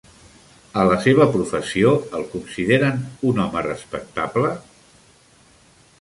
A la seva professió, el consideren un home respectable?